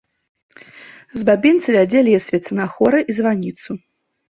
З бабінца вядзе лесвіца на хоры і званіцу.